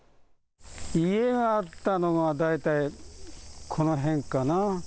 家があったのは大体この辺かな。